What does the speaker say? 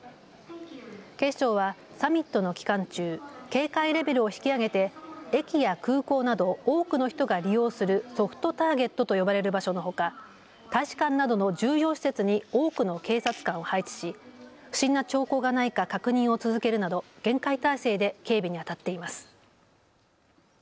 警視庁はサミットの期間中、警戒レベルを引き上げて駅や空港など多くの人が利用するソフトターゲットと呼ばれる場所のほか、大使館などの重要施設に多くの警察官を配置し不審な兆候がないか確認を続けるなど厳戒態勢で警備にあたっています。